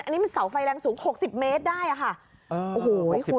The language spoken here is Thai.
อันนี้มันเสาไฟแรงสูง๖๐เมตรได้ค่ะ